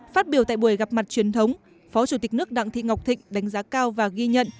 phát biểu tại buổi gặp mặt truyền thống phó chủ tịch nước đặng thị ngọc thịnh đánh giá cao và ghi nhận